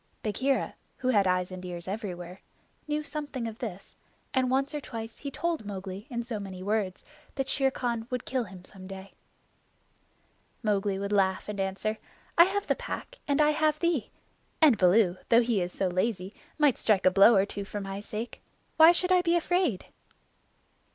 Bagheera, who had eyes and ears everywhere, knew something of this, and once or twice he told Mowgli in so many words that Shere Khan would kill him some day. Mowgli would laugh and answer: "I have the Pack and I have thee; and Baloo, though he is so lazy, might strike a blow or two for my sake. Why should I be afraid?"